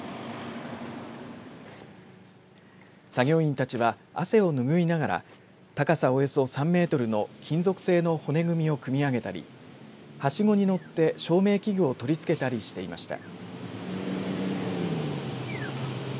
作業員たちは、汗を拭いながら高さおよそ３メートルの金属製の骨組みを組み上げたりはしごに乗って、照明器具を取り付けたりしていました。